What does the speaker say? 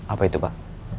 apa itu pak